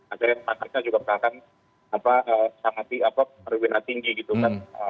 ada yang paketnya juga berakan sangat di ruwina tinggi gitu kan